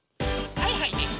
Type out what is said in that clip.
はいはいです！